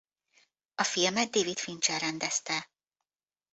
A filmet David Fincher rendezte.